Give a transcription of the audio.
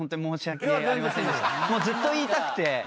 ずっと言いたくて。